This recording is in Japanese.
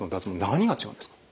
何が違うんですか？